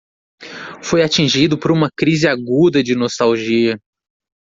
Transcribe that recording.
Foi atingido por uma crise aguda de nostalgia